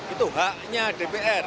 itu haknya dpr